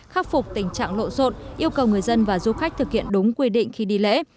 khắc phục tình trạng lộ rộn yêu cầu người dân và du khách thực hiện đúng quy định khi đi lễ